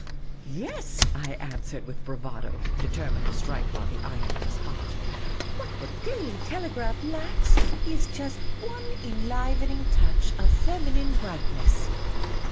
" Yes," I answered, with bravado, determined to strike while the iron was hot. '* What the Daily Telephone lacks is just one enlivening touch of feminine brightness."